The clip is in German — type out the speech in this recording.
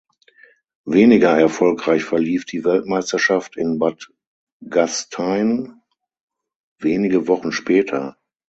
Weniger erfolgreich verlief die Weltmeisterschaft in Bad Gastein wenige Wochen später.